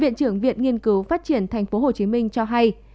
viện trưởng viện nghiên cứu phát triển tp hcm cho hay